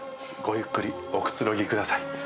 ごゆっくりおくつろぎください。